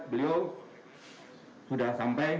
beliau sudah sampai